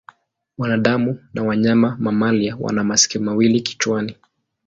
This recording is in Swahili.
Wanadamu na wanyama mamalia wana masikio mawili kichwani.